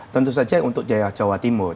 tentu saja untuk jaya jawa timur